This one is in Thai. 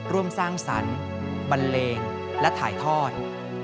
ร่วมสร้างสรรค์บันเลงและถ่ายทอด